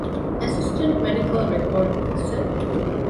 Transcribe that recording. އެސިސްޓެންޓް މެޑިކަލް ރެކޯޑް އޮފިސަރ